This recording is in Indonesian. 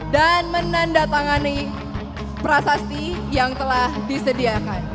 dan menandatangani prasasti yang telah disediakan